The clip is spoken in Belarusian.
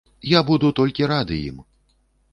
Я буду толькі рады ім.